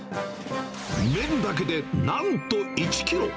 麺だけでなんと１キロ。